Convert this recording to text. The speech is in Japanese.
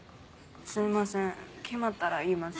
すいません決まったら言います。